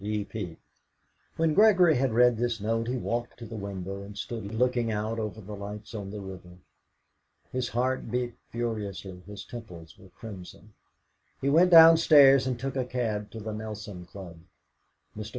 E. P." When Gregory had read this note he walked to the window, and stood looking out over the lights on the river. His heart beat furiously, his temples were crimson. He went downstairs, and took a cab to the Nelson Club. Mr.